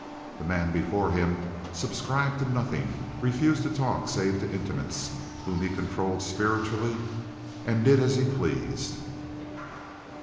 The man before him subscribed to nothing, refused to talk save to intimates, whom he controlled spiritually, and did as he pleased.